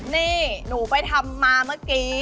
นี่หนูไปทำมาเมื่อกี้